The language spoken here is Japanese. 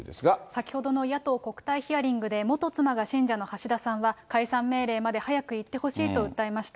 先ほどの野党国対ヒアリングで元妻が信者の橋田さんは、解散命令まで早くいってほしいと訴えました。